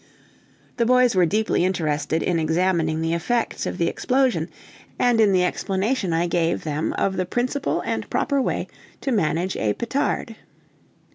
The boys were deeply interested in examining the effects of the explosion, and in the explanation I gave them of the principle and proper way to manage a petard.